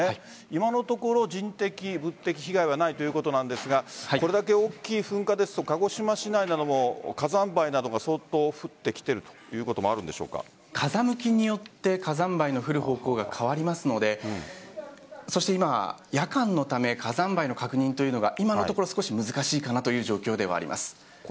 今のところ人的、物的被害はないということなんですがこれだけ大きい噴火ですと鹿児島市内なども火山灰などが相当降ってきているということも風向きによって火山灰の降る方向が変わりますのでそして今、夜間ため火山灰の確認が今のところ難しいかなという状況ではあります。